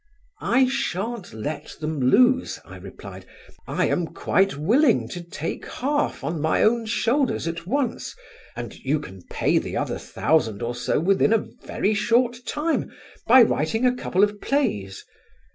"I shan't let them lose," I replied, "I am quite willing to take half on my own shoulders at once and you can pay the other thousand or so within a very short time by writing a couple of plays.